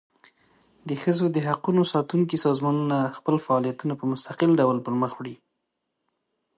د ښځو د حقوقو ساتونکي سازمانونه خپل فعالیتونه په مستقل ډول پر مخ وړي.